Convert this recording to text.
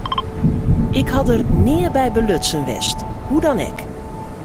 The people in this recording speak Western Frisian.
Ik ha der nea by belutsen west, hoe dan ek.